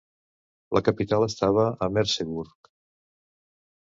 La capital estava a Merseburg.